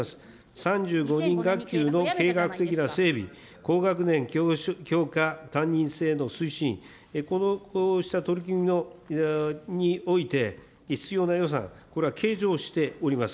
３５人学級の計画的な整備、高学年教科担任制の推進、こうした取り組みにおいて必要な予算、これは計上しております。